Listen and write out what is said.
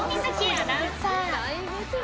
アナウンサー。